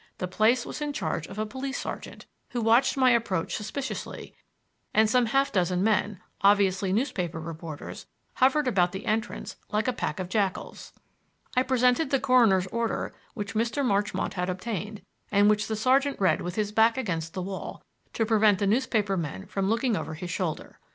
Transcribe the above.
The place was in charge of a police sergeant, who watched my approach suspiciously; and some half dozen men, obviously newspaper reporters, hovered about the entrance like a pack of jackals. I presented the coroner's order which Mr. Marchmont had obtained, and which the sergeant read with his back against the wall, to prevent the newspaper men from looking over his shoulder.